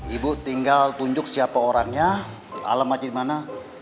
ibu tinggal tunjuk siapa orangnya alam aja dimana